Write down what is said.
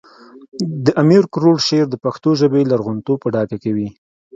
د امیر کروړ شعر د پښتو ژبې لرغونتوب په ډاګه کوي